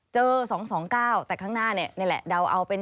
เจอ๒๒๙แต่ข้างหน้าเนี่ยนี่แหละเดาเอาเป็น